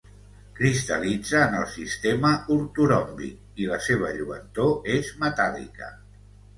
Cristal·litza en el sistema ortoròmbic i la seva lluentor és metàl·lica.